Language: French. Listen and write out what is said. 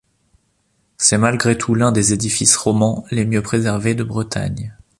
C'est malgré tout l'un des édifices romans les mieux préservé de Bretagne.